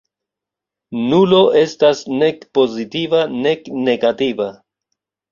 Nulo estas nek pozitiva nek negativa.